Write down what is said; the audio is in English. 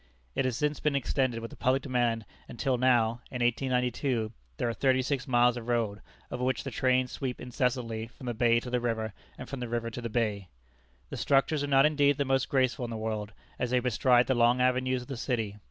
It has since been extended with the public demand, until now (in 1892) there are thirty six miles of road, over which the trains sweep incessantly from the bay to the river, and from the river to the bay. The structures are not indeed the most graceful in the world, as they bestride the long avenues of the city.